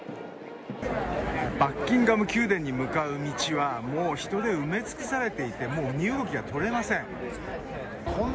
バッキンガム宮殿に向かう道はもう人で埋め尽くされていてもう身動きがとれません。